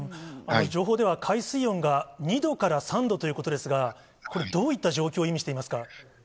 情報では、海水温が２度から３度ということですが、これ、どういった状況を意味していますか。